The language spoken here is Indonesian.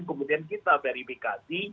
kemudian kita verifikasi